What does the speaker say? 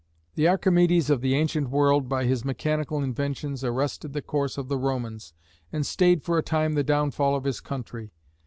The Archimedes of the ancient world by his mechanical inventions arrested the course of the Romans, and stayed for a time the downfall of his country.